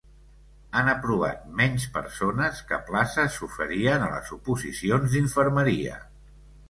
Han aprovat menys persones que places s'oferien a les oposicions d'infermeria